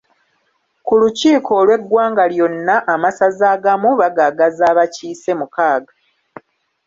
Ku lukiiko olw’eggwanga lyonna amasaza agamu bagaagaza abakiise mukaaga